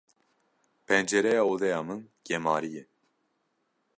Pencereya odeya min gemarî ye.